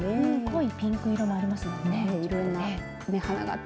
濃いピンク色もありますね。